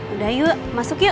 udah yuk masuk yuk